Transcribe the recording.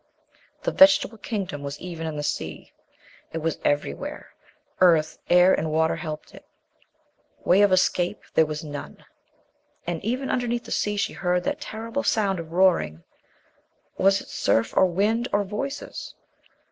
The Vegetable Kingdom was even in the sea. It was everywhere. Earth, air, and water helped it, way of escape there was none. And even underneath the sea she heard that terrible sound of roaring was it surf or wind or voices?